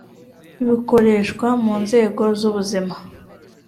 bikoreshwa mu nzego z’ubuzima